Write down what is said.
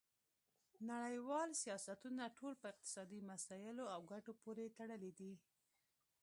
نړیوال سیاستونه ټول په اقتصادي مسایلو او ګټو پورې تړلي دي